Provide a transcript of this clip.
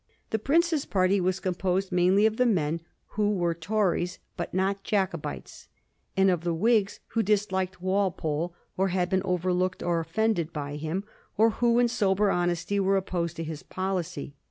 The Prince's party was composed mainly of the men who were Tories but were not Jacobites, and of the Whigs who disliked Walpole or had been overlooked or offended by him, or who in sober honesty were opposed to his policy.